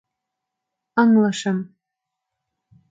Ыҥлышым...